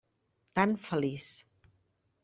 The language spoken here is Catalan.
Tan feliç.